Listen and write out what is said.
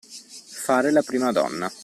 Fare la primadonna.